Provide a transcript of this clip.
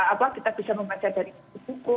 apa kita bisa membaca dari buku buku